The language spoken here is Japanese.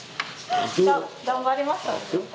頑張りましたね。